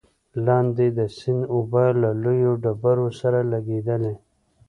لاندې د سيند اوبه له لويو ډبرو سره لګېدلې،